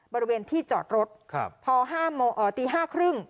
บริเวณที่จอดรถครับพอห้าโมงอ่อตีห้าครึ่ง